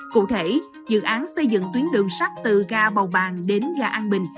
cụ thể dự án xây dựng tuyến đường sắt từ ga bào bàng đến ga an bình